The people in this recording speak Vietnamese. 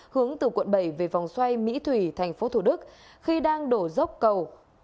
hướng từ quận bảy về vòng xoay mỹ thủy thành phố thủ đức khi đang đổ dốc cầu